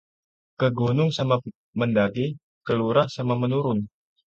Ke gunung sama mendaki, ke lurah sama menurun